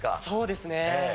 そうですね。